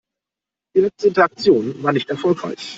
Die letzte Interaktion war nicht erfolgreich.